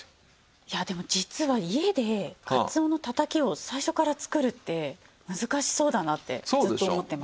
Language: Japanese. いやでも実は家でかつおのたたきを最初から作るって難しそうだなってずっと思ってました。